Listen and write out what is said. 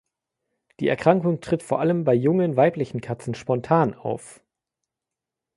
Die Erkrankung tritt vor allem bei jungen weiblichen Katzen spontan auf.